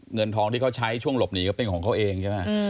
เงินทองที่เขาใช้ช่วงหลบหนีก็เป็นของเขาเองใช่ไหม